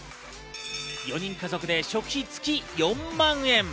４人家族で食費は月４万円。